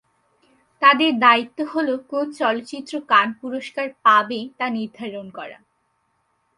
তাদের দায়িত্ব হল কোন চলচ্চিত্র কান পুরস্কার পাবে তা নির্ধারণ করা।